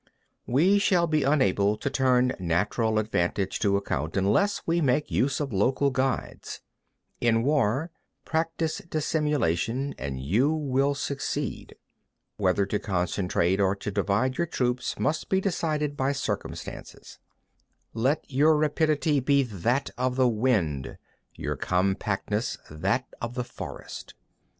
14. We shall be unable to turn natural advantages to account unless we make use of local guides. 15. In war, practise dissimulation, and you will succeed. Move only if there is a real advantage to be gained. 16. Whether to concentrate or to divide your troops, must be decided by circumstances. 17. Let your rapidity be that of the wind, your compactness that of the forest.